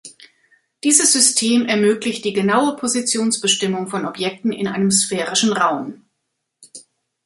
Dieses System ermöglicht die genaue Positionsbestimmung von Objekten in einem sphärischen Raum.